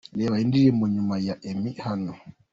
Reba indirimbo Nyuma ya Emmy hano.